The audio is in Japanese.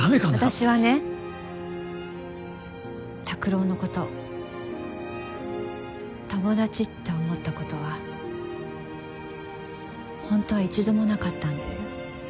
私はね拓郎のこと友達って思ったことはほんとは一度もなかったんだよ。